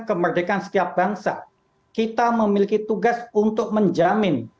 kemerdekaan setiap bangsa kita memiliki tugas untuk menjamin